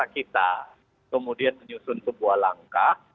kita kemudian menyusun sebuah langkah